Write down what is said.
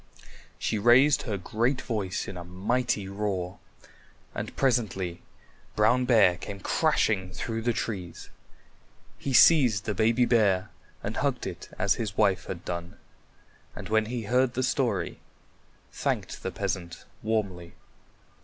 She raised her great voice in a mighty roar, and presently Brown Bear came crashing through the trees. He seized the baby bear and hugged it as his wife had done, and when he heard the story thanked the peasant warmly.